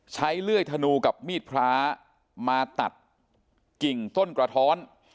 เลื่อยธนูกับมีดพระมาตัดกิ่งต้นกระท้อน